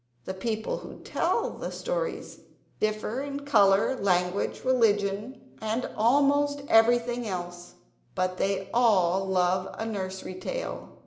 The peoples who tell the stories differ in colour; language, religion, and almost everything else; but they all love a nursery tale.